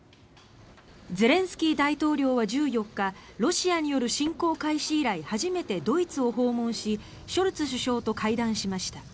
ゼレンスキー大統領は１４日ロシアによる侵攻開始以来初めてドイツを訪問しショルツ首相と会談しました。